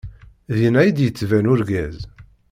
Dinna i d-yettban urgaz.